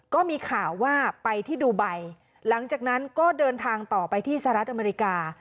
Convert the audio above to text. ก็มีข่าวว่าไปที่ดูไบหลังจากนั้นก็เดินทางต่อไปที่สหรัฐอเมริกา